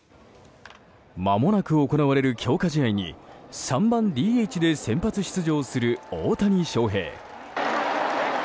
まもなく行われる強化試合に３番ＤＨで先発出場する大谷翔平。